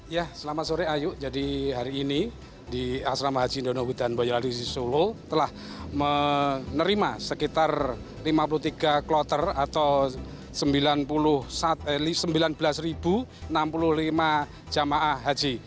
ya selamat sore ayu jadi hari ini di asrama haji ndonowi dan boyolali solo telah menerima sekitar lima puluh tiga kloter atau sembilan belas enam puluh lima jemaah haji